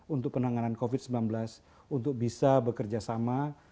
untuk penanganan covid sembilan belas untuk bisa bekerja sama